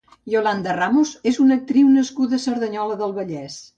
Yolanda Ramos és una actriu nascuda a Cerdanyola del Vallès.